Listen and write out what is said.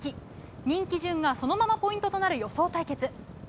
人気順がそのままポイントとなる予想対決。